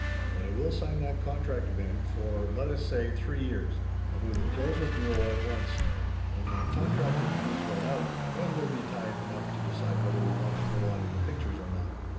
"But I will sign that contract, Ben, for, let us say, three years. And we will close with Muro at once. When my contract and B.'s run out, then will be time enough to decide whether we want to go on in the pic tures or not!"